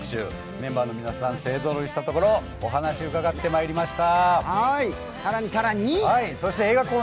メンバーの皆さん、勢ぞろいしたところ、お話を伺ってまいりました。